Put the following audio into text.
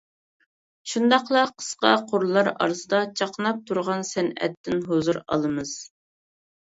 شۇنداقلا قىسقا قۇرلار ئارىسىدا چاقناپ تۇرغان سەنئەتتىن ھۇزۇر ئالىمىز.